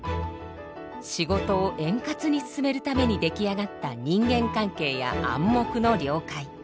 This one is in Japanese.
仕事を円滑に進めるために出来上がった人間関係や暗黙の了解。